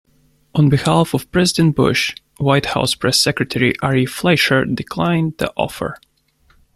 On behalf of President Bush, White House Press Secretary Ari Fleischer declined the offer.